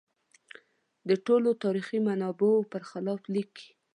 د ټولو تاریخي منابعو په خلاف لیکي.